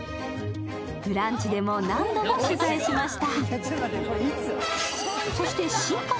ブランチでも何度も取材しました。